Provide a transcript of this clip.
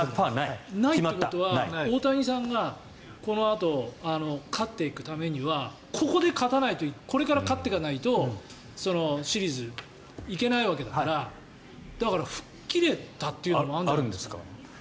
ないということは大谷さんがこのあと勝っていくためにはここで勝たないとこれから勝っていかないとシリーズに行けないわけだからだから、吹っ切れたというのもあるんじゃないですか？